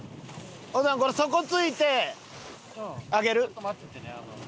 お父さんこれ底ついて上げる？